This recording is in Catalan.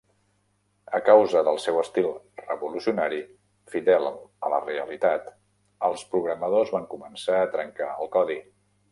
A causa del seu estil revolucionari fidel a la realitat, els programadors van començar a trencar el codi.